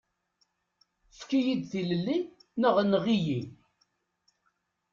Efk-iyi-d tilelli neɣ enɣ-iyi.